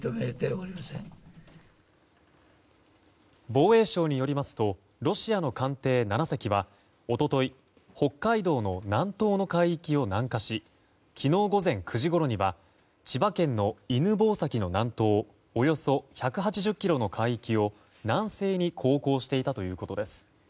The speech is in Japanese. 防衛省によりますとロシアの艦艇７隻は一昨日、北海道の南東の海域を南下し昨日午前９時ごろには千葉県の犬吠埼の南東およそ１８０ｋｍの海域を南西に航行していたということです。